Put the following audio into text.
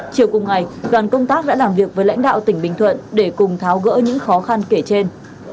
chiều cùng ngày đoàn công tác đã làm việc với lãnh đạo tỉnh bình thuận để cùng tháo gỡ những khó khăn kể trên